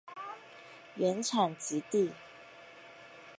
原产极地。